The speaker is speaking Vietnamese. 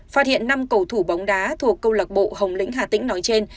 phát hiện năm cầu thủ bóng đá thuộc cộng lộc bộ hồng lĩnh hà tĩnh nói trên